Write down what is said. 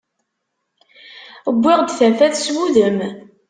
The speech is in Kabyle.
Wwiɣ-d tafat, s wudem.